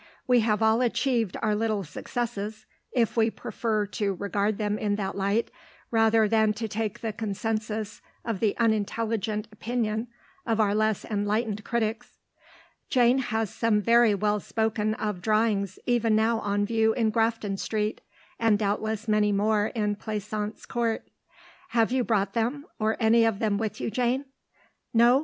We have all achieved our little successes (if we prefer to regard them in that light, rather than to take the consensus of the unintelligent opinion of our less enlightened critics). Jane has some very well spoken of drawings even now on view in Grafton Street, and doubtless many more in Pleasance Court. Have you brought them, or any of them, with you, Jane? No?